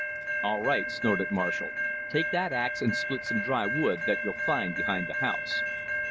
"All right," snorted Marshall, "take that ax and split some dry wood that you'll find behind the house."